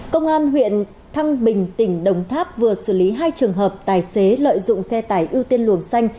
công an huyện thăng bình tỉnh đồng tháp vừa xử lý hai trường hợp tài xế lợi dụng xe tải ưu tiên luồng xanh